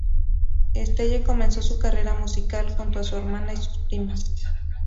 Estelle comenzó su carrera musical junto a su hermana y sus primas.